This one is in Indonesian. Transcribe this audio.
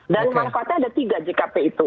dan manfaatnya ada tiga jkp itu